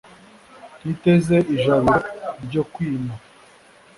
ntiteze ijabiro ryo kwima,